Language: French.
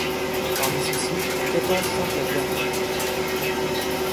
Parmi ceux-ci, quatorze chantent la Vierge Marie.